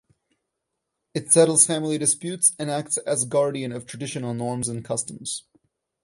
It settles family disputes and acts as guardian of traditional norms and customs.